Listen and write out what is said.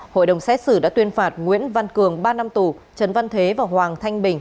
hội đồng xét xử đã tuyên phạt nguyễn văn cường ba năm tù trần văn thế và hoàng thanh bình